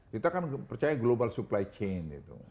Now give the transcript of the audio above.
kita kan percaya global supply chain